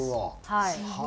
はい。